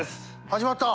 始まった。